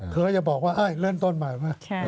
เพราะอย่าบอกว่าเลี่ยงต้นมาก